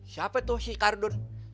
siapa tuh si kardun